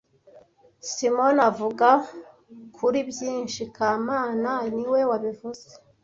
Simoni avuga kuri byinshi kamana niwe wabivuze